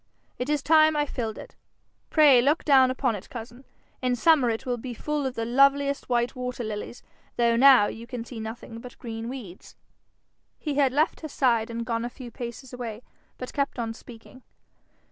It is time I filled it. Pray look down upon it, cousin. In summer it will be full of the loveliest white water lilies, though now you can see nothing but green weeds.' He had left her side and gone a few paces away, but kept on speaking.